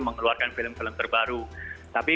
mengeluarkan film film terbaru tapi